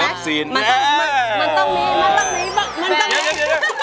สวัสดีครับคุณหน่อย